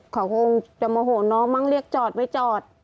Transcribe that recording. เขาคงจะโมโหน้องมั้งเรียกจอดไม่จอด